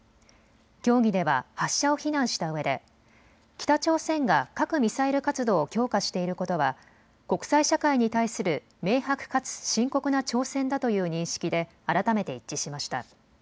協議では発射を非難したうえで、北朝鮮が核・ミサイル活動を強化していることは国際社会に対する明白かつ深刻な挑戦だという認識で改めて一致しました。